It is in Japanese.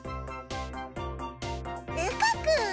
るかくん！